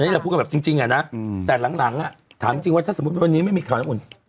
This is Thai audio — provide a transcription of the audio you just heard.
อันนี้ก็พูดกันเป็นจริงแหละนะแต่หลังอ่ะถามจริงว่าถ้าสมมุติว่านี้ไม่มีข่าวได้ที่องคุณ